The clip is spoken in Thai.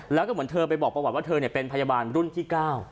แล้วก็เหมือนเธอไปบอกประวัติว่าเธอเป็นพยาบาลรุ่นที่๙